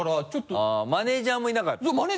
そうマネジャーもいなかった。